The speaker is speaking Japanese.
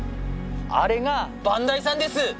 あれが磐梯山です。